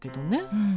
うん。